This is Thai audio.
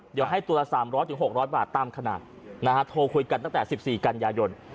เดี๋ยวให้ตัวละ๓๐๐๖๐๐บาทตามขนาดนะฮะโทรคุยกันตั้งแต่๑๔กันยายน